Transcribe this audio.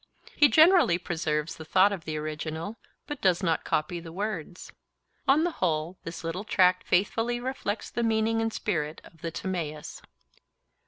He generally preserves the thought of the original, but does not copy the words. On the whole this little tract faithfully reflects the meaning and spirit of the Timaeus.